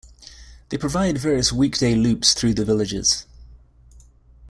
They provide various weekday loops through the Villages.